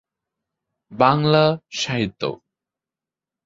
Bangla Sahitya